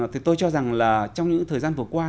thì tôi cho rằng là trong những thời gian vừa qua